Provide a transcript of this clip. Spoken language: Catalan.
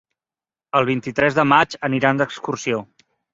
El vint-i-tres de maig aniran d'excursió.